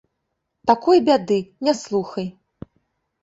Такой бяды, не слухай.